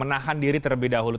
menahan diri terlebih dahulu